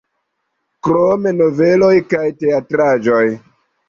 Krome noveloj kaj teatraĵoj.